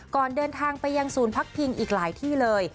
ก่อนเดินทางไปยังศูนย์พักพิงอีกหลายที่เลย